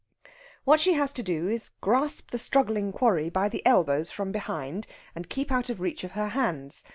What she has to do is to grasp the struggling quarry by the elbows from behind and keep out of the reach of her hands.